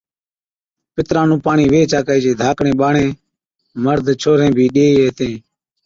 پِتران نُون پاڻِي ويھِچ آڪھِي چين ڌاڪڙين ٻاڙين (مرد، ڇوھرين) بِي ڏِيئَي ھِتين